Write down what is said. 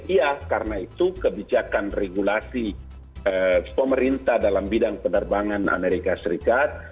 iya karena itu kebijakan regulasi pemerintah dalam bidang penerbangan amerika serikat